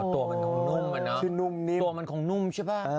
ตัวมันของนุ่มใช่ป่ะ